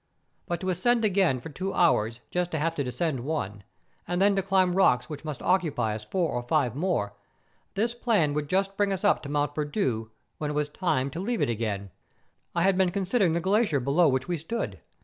But to ascend again for two hours just to have to descend one,—then to climb rocks which must occupy us for four or five more— this plan would just bring us up to Mont Perdu MONT PERDU. 133 when it would be time to leave it again. I had been considering the glacier below which we stood.